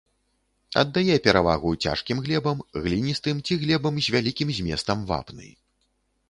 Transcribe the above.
Аддае перавагу цяжкім глебам, гліністым ці глебам з вялікім зместам вапны.